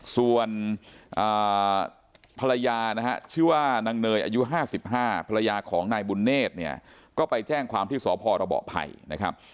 ส่วนภรรยานะฮะชื่อว่านางเนยอายุ๕๕ภรรยาของนายบุญเนธเนี่ยก็ไปแจ้งความที่สพรบภัยนะครับ